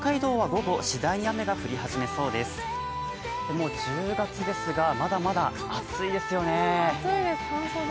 もう１０月ですが、まだまだ暑いですよね。